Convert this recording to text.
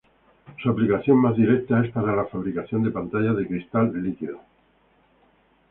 Su aplicación más directa es para la fabricación de pantallas de cristal líquido.